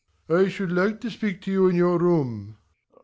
I should like to speak to you in your room.